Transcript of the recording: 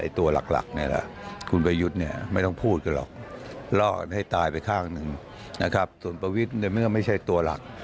ส่วนประวิทย์ก็ไม่ใช่ตัวหลัก